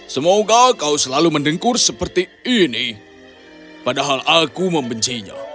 semoga kau selalu mendengkur seperti ini padahal aku membencinya